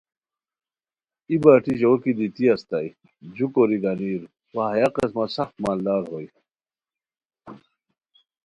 ای بٹی ژو کی دیتی استائے جو کوری گانیر وا ہیہ قسمہ سخت مالدار ہوئے